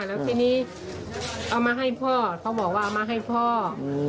แล้วทีนี้เอามาให้พ่อเขาบอกว่าเอามาให้พ่อ